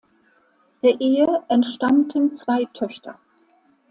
Der Ehe entstammten zwei Töchter.